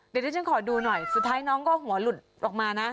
เดี๋ยวที่ฉันขอดูหน่อยสุดท้ายน้องก็หัวหลุดออกมานะ